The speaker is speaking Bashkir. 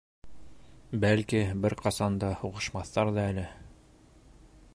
Бәлки, бер ҡасан да һуғышмаҫтарҙа әле.